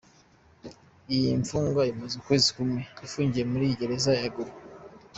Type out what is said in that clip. Iyi mfungwa imaze ukwezi kumwe ifungiye muri iyi gereza ya Gulu.